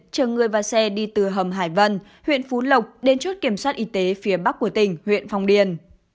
chở người và xe đi từ hầm hải vân huyện phú lộc đến chốt kiểm soát y tế phía bắc của tỉnh huyện phong điền